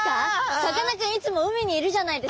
さかなクンいつも海にいるじゃないですか。